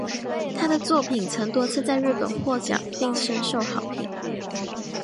她的作品曾多次在日本获奖并深受好评。